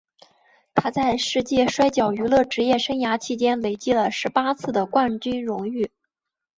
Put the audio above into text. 他在世界摔角娱乐职业生涯期间累计了十八次的冠军荣誉。